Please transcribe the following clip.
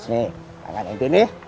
nih tangan inti ini